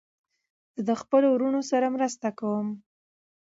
زه د خپلو وروڼو سره مرسته کوم.